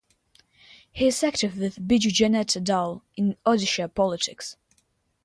He is active with Biju Janata Dal in Odisha politics.